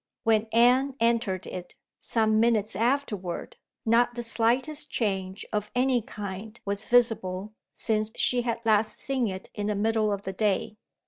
When Anne entered it, some minutes afterward, not the slightest change of any kind was visible since she had last seen it in the middle of the day.